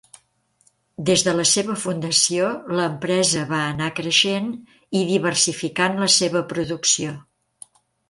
Des de la seva fundació l'empresa va anar creixent i diversificant la seva producció.